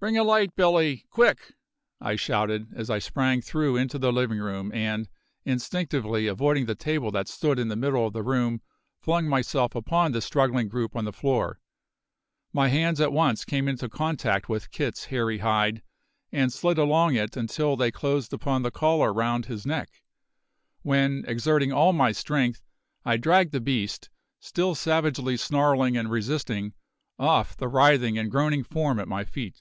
"Bring a light, Billy, quick!" I shouted, as I sprang through into the living room and, instinctively avoiding the table that stood in the middle of the room, flung myself upon the struggling group on the floor. My hands at once came into contact with Kit's hairy hide, and slid along it until they closed upon the collar round his neck, when, exerting all my strength, I dragged the beast, still savagely snarling and resisting, off the writhing and groaning form at my feet.